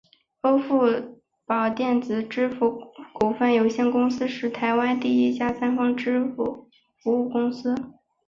欧付宝电子支付股份有限公司是台湾一家第三方支付服务公司。